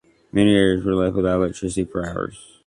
Many areas were left without electricity for hours.